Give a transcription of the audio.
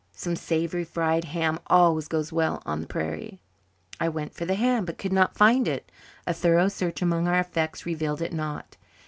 Some savoury fried ham always goes well on the prairie." I went for the ham but could not find it. A thorough search among our effects revealed it not.